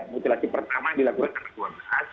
mutilasi pertama dilakukan tanggal dua belas